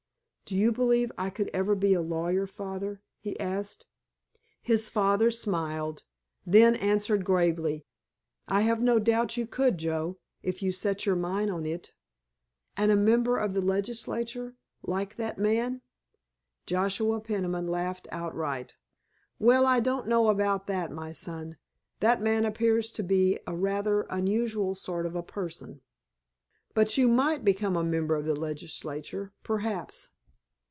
"Do you believe I could ever be a lawyer, Father?" he asked. His father smiled, then answered gravely, "I have no doubt you could, Joe, if you set your mind on it." "And a member of the legislature—like that man?" Joshua Peniman laughed outright. "Well, I don't know about that, my son. That man appears to me to be a rather unusual sort of a person. But you might become a member of the legislature, perhaps."